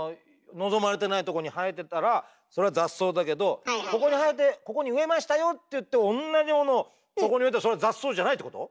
望まれてないとこに生えてたらそれは雑草だけどここに生えてここに植えましたよっていって同じものをそこに植えたらそれは雑草じゃないってこと？